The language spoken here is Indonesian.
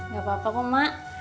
gak apa apa kok mak